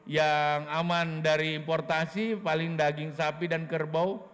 yang aman dari importasi paling daging sapi dan kerbau